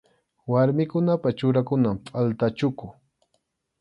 Warmikunapa churakunan pʼalta chuku.